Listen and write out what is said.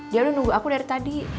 dia lu nunggu aku dari tadi